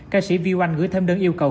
ca sĩ viu anh gửi thêm đơn yêu cầu